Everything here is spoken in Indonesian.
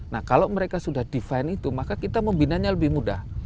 nah kalau mereka sudah define itu maka kita membinanya lebih mudah